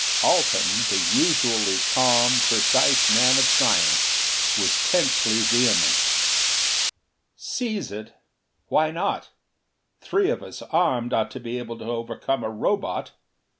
Alten, the usually calm, precise man of science, was tensely vehement. "Seize it! Why not? Three of us, armed, ought to be able to overcome a Robot!